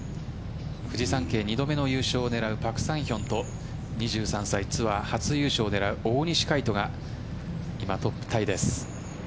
フジサンケイ２度目の優勝を狙うパク・サンヒョンと２３歳、ツアー初優勝を狙う大西魁斗が今トップタイです。